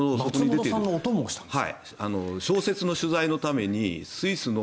松本さんのお供をしたんですか？